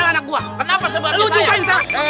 gara gara anak gua